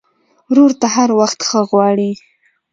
ورور ته هر وخت ښه غواړې.